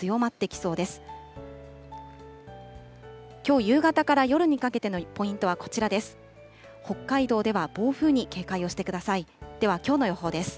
きょう夕方から夜にかけてのポイントはこちらです。